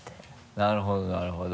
なるほどなるほど。